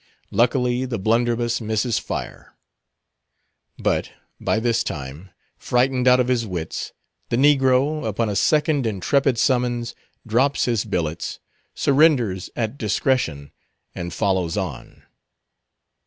Luckily the blunderbuss misses fire; but by this time, frightened out of his wits, the negro, upon a second intrepid summons, drops his billets, surrenders at discretion, and follows on.